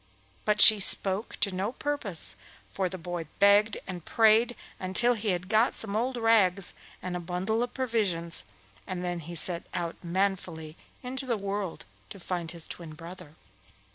But she spoke to no purpose, for the boy begged and prayed until he had got some old rags and a bundle of provisions, and then he set out manfully into the world to find his twin brother.